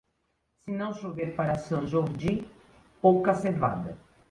Se não chover para Sant Jordi, pouca cevada.